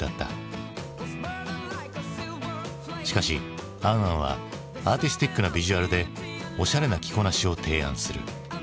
しかし「ａｎ・ａｎ」はアーティスティックなビジュアルでおしゃれな着こなしを提案する。